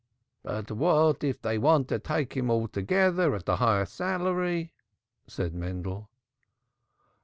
"But what if they want to take him altogether at a higher salary?" said Mendel.